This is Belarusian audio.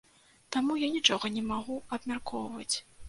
Таму я нічога не магу абмяркоўваць.